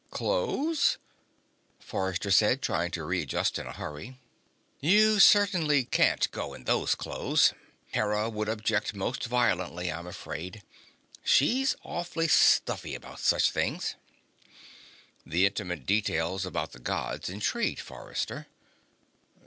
"Clothes?" Forrester said, trying to readjust in a hurry. "You certainly can't go in those clothes. Hera would object quite violently, I'm afraid. She's awfully stuffy about such things." The intimate details about the Gods intrigued Forrester.